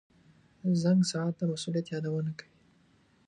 • زنګ ساعت د مسؤلیت یادونه کوي.